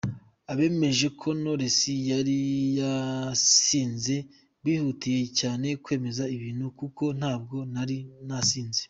Abemeje ko Knowless yari yasinze bihutiye cyane kwemeza ibintu kuko ntabwo nari nasinze”.